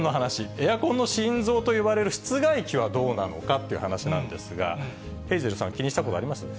エアコンの心臓といわれる室外機はどうなのかっていう話なんですが、ヘイゼルさん、気にしたことあります？